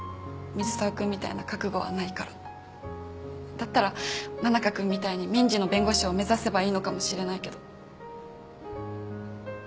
だったら真中君みたいに民事の弁護士を目指せばいいのかもしれないけど。